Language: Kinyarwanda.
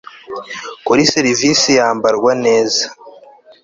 Kuri serivisi yambarwa neza